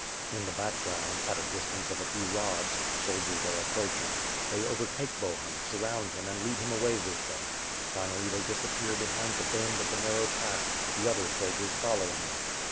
In the background, at a distance of a few rods, soldiers are approaching. They overtake Bohun, surround him and lead him away with them. Finally they disappear behind the bend of the narrow path, the other soldiers following them.